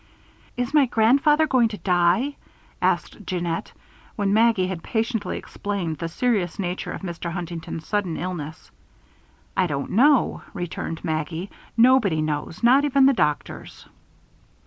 "Is my grandfather going to die?" asked Jeannette, when Maggie had patiently explained the serious nature of Mr. Huntington's sudden illness. "I don't know," returned Maggie. "Nobody knows, not even the doctors."